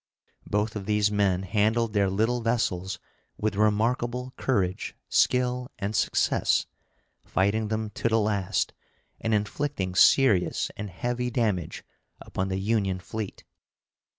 Both of these men handled their little vessels with remarkable courage, skill, and success, fighting them to the last, and inflicting serious and heavy damage upon the Union fleet.